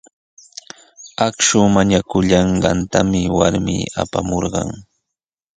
Akshu mañakullanqaatami warmi apamurqan.